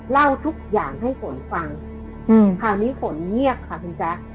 เล่าทุกอย่างให้ฝนฟังคราวนี้ฝนเงียบค่ะคุณแจ๊ค